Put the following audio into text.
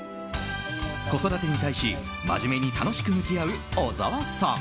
子育てに対し、真面目に楽しく向き合う小澤さん。